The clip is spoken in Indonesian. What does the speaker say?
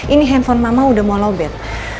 ini handphone mama udah mau lowbat